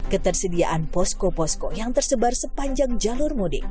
ketersediaan posko posko yang tersebar sepanjang jalur mudik